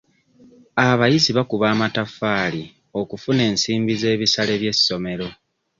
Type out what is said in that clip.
Abayizi bakuba amataffaali okufuna ensimbi z'ebisale by'essomero.